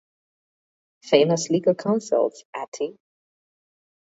Famous legal counsels, atty.